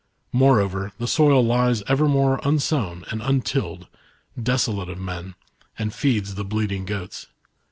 Moreover, the soil lies evermore unsown and untilled, desolate of men, and feeds the bleat ing goats.